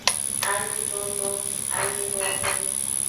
Anyinono, anyinoxu.